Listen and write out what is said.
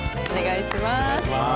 お願いします。